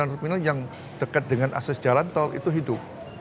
jalan terminal yang dekat dengan akses jalan tol itu hidup